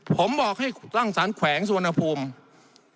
ผมบอกให้ตั้งสารแขวงสุวรรณภูมิ